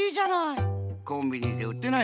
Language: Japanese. コンビニでうってないかな？